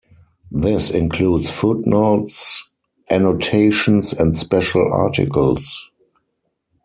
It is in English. This includes footnotes, annotations, and special articles.